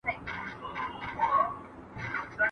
چي دي ول زلفي پر مخ باندي لالم لام سي